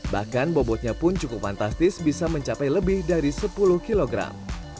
bahkan bobotnya pun cukup fantastis bisa mencapai lebih dari sepuluh kilogram